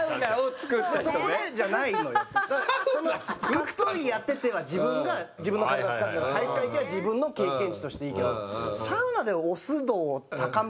運動やってては自分が自分の体を使うから体育会系は自分の経験値としていいけど。